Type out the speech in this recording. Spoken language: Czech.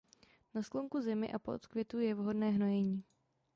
Na sklonku zimy a po odkvětu je vhodné hnojení.